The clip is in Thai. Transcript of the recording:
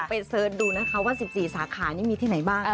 ไปเสิร์ชดูนะคะว่า๑๔สาขานี้มีที่ไหนบ้าง